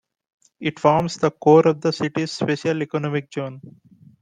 It forms the core of the city's special economic zone.